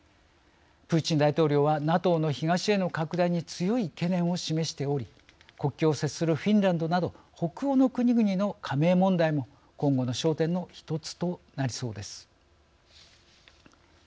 プーチン大統領はＮＡＴＯの東への拡大に強い懸念を示しており国境を接するフィンランドなど北欧の国々の加盟問題も今後の焦点の一つとなりそうです。